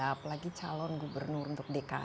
apalagi calon gubernur untuk dki